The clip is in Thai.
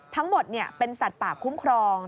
ทั้งหมดเป็นสัตว์ป่าคุ้มครอง